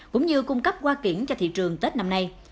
cũng như cung cấp hoa kiển cho thị trường tết năm nay